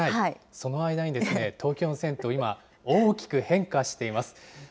その間にですね、東京の銭湯、今、大きく変化しています。